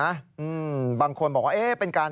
ดิฉันชอบเก้าอี้มหาศจรรย์และกระจกร้านของฉัน